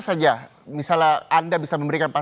saja misalnya anda bisa memberikan